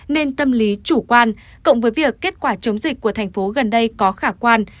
nên tâm lý chủ quan cộng với việc kết quả chống dịch của thành phố gần đây có khả quan